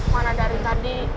mana dari tadi